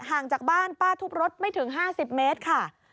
ห่างจากบ้านป้าทุบรถไม่ถึง๕๐เมตรค่ะ